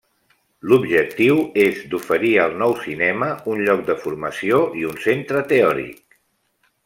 L'objectiu és d'oferir al nou cinema un lloc de formació i un centre teòric.